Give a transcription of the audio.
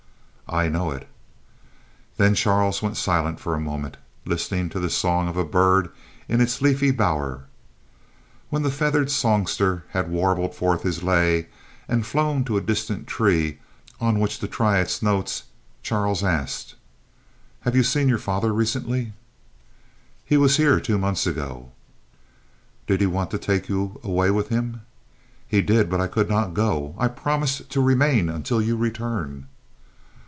"I know it." Then Charles was silent for a moment, listening to the song of a bird in its leafy bower. When the feathered songster had warbled forth his lay and flown to a distant tree on which to try its notes, Charles asked: "Have you seen your father recently?" "He was here two months ago." "Did he want to take you away with him?" "He did; but I could not go. I promised to remain until your return."